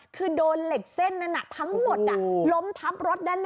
คือโดนเหล็กเส้นนั้นทั้งหมดล้มทับรถแน่